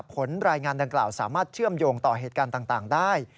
ผลรายงานดังกล่าวสามารถเชื่อมโยงต่อเหตุการณ์ต่างได้